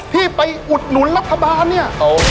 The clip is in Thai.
ที่ไปอุดหนุนรัฐบาลเนี่ย